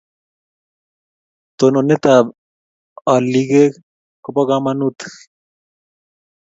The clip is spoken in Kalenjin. Tononet ab alikek koba kamanutik